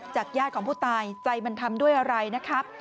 ญาติของผู้ตายใจมันทำด้วยอะไรนะครับ